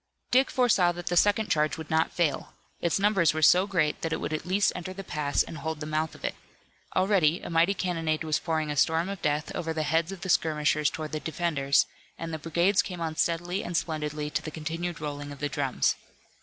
Dick foresaw that the second charge would not fail. Its numbers were so great that it would at least enter the pass and hold the mouth of it. Already a mighty cannonade was pouring a storm of death over the heads of the skirmishers toward the defenders, and the brigades came on steadily and splendidly to the continued rolling of the drums.